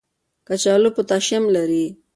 کچالو پوټاشیم لري.